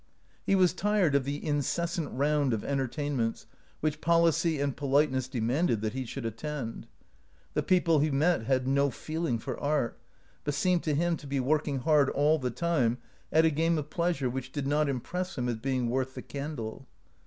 He was tired of the incessant round of entertainments which policy and politeness demanded that he should attend. The peo ple he met had no feeling for art, but seemed to him to be working hard all the time at a game of pleasure which did not impress him as being worth the candle.